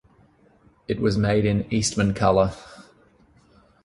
It was made in Eastmancolor.